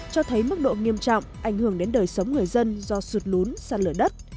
cho thấy mức độ nghiêm trọng ảnh hưởng đến đời sống người dân do sụt lún sạt lở đất